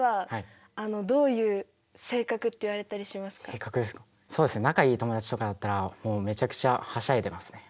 性格ですかそうですね仲いい友達とかだったらもうめちゃくちゃはしゃいでますね。